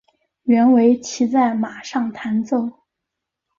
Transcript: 原为骑在马上弹奏。